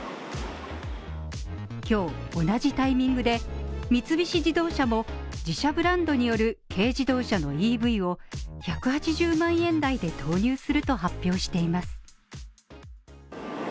今日、同じタイミングで三菱自動車も自社ブランドによる軽自動車のＥＶを１８０万円台で投入すると発表しています。